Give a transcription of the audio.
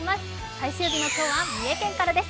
最終日の今日は三重県からです。